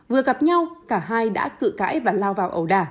vừa gặp nhau cả hai đã cự cãi và lao vào